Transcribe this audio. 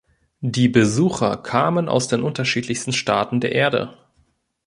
Die Besucher kamen aus den unterschiedlichsten Staaten der Erde.